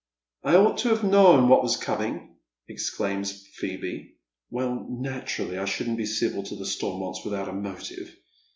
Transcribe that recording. " I ought to have known what was coming," exclaims Phoebe. "Well, naturally, I shouldn't be civil to the Stormonts without a motive.